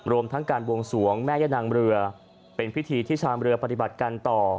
รวมทั้งการบวงสวงแม่ย่านางเรือเป็นพิธีที่ชามเรือปฏิบัติกันต่อ